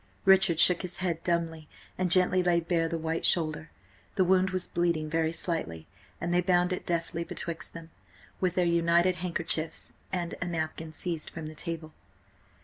Richard shook his head dumbly and gently laid bare the white shoulder. The wound was bleeding very slightly, and they bound it deftly betwixt them, with their united handkerchiefs and a napkin seized from the table.